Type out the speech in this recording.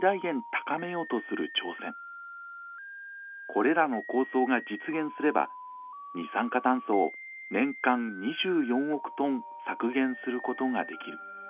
これらの構想が実現すれば二酸化炭素を年間２４億トン削減することができる。